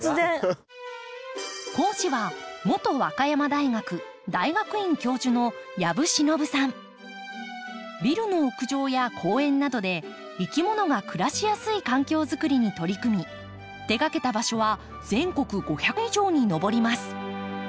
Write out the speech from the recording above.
講師は元和歌山大学大学院教授のビルの屋上や公園などでいきものが暮らしやすい環境づくりに取り組み手がけた場所は全国５００以上に上ります。